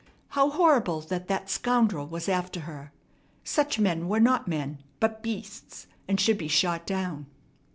How horrible that that scoundrel was after her! Such men were not men, but beasts, and should be shot down.